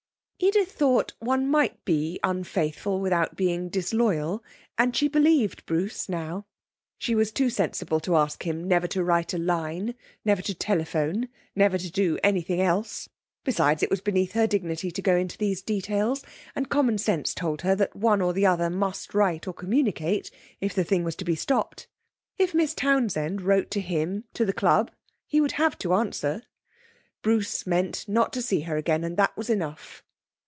Edith thought one might be unfaithful without being disloyal, and she believed Bruce now. She was too sensible to ask him never to write a line, never to telephone, never to do anything else; besides, it was beneath her dignity to go into these details, and common sense told her that one or the other must write or communicate if the thing was to be stopped. If Miss Townsend wrote to him to the club, he would have to answer. Bruce meant not to see her again, and that was enough.